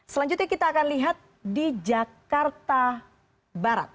selanjutnya kita akan lihat di jakarta barat